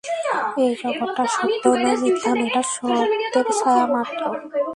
এই জগৎটা সত্যও নয়, মিথ্যাও নয়, এটা সত্যের ছায়ামাত্র।